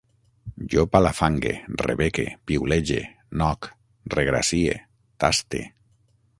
Jo palafangue, rebeque, piulege, noc, regracie, taste